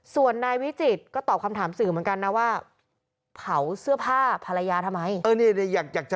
ส่วนนายวิจิตรก็ตอบคำถามสื่อเหมือนกันนะว่าเผาเสื้อผ้าภรรยาทำไม